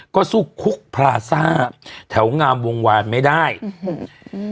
ก็สู้คุกพลาซ่าแถวงามวงวานไม่ได้อืม